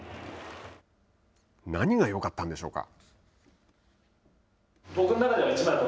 何がよかったんでしょうか。